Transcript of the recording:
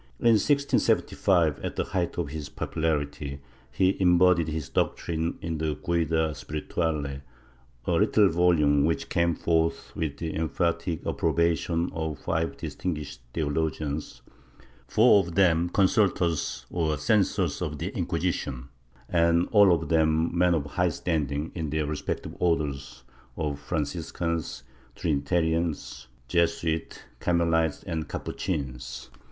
In 1675, at the height of his popularity, he embodied his doctrine in the Guida spirituale, a little volume which came forth with the emphatic approbation of five distinguished theo logians— four of them consultors or censors of the Inquisition and all of them men of high standing in their respective Orders of Franciscans, Trinitarians, Jesuits, Carmelites and Capuchins.